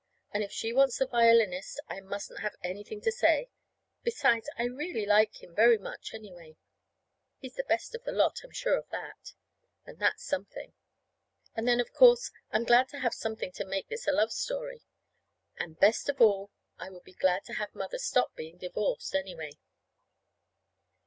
And if she wants the violinist I mustn't have anything to say. Besides, I really like him very much, anyway. He's the best of the lot. I'm sure of that. And that's something. And then, of course, I'm glad to have something to make this a love story, and best of all I would be glad to have Mother stop being divorced, anyway.